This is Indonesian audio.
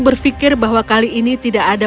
berpikir bahwa kali ini tidak ada